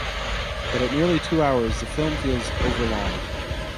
But at nearly two hours, the film feels overlong.